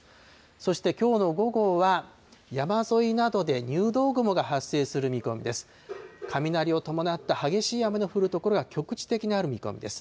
そしてきょうの午後は、山沿いなどで入道雲が発生する見込みです。